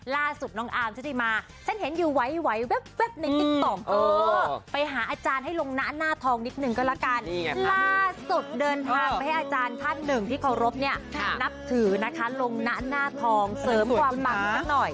ล่าสุดเดินทางไปให้อาจารย์ท่านหนึ่งที่เค้ารบนับถือนะคะลงหน้าทองเสริมความหมักนักหน่อย